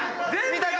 見たか！